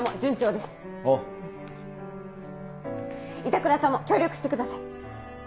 板倉さんも協力してください。